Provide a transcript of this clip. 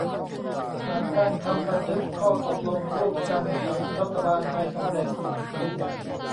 หลังการทำบันทึกข้อตกลงร่วมกันกับรัฐบาลไทยสำเร็จ